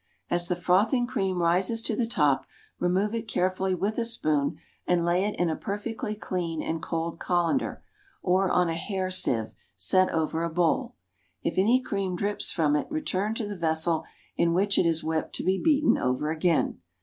As the frothing cream rises to the top, remove it carefully with a spoon and lay it in a perfectly clean and cold colander, or on a hair sieve, set over a bowl. If any cream drips from it return to the vessel in which it is whipped to be beaten over again.